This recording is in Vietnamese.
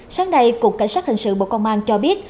sáng nay cục cảnh sát hình sự bộ công an cho biết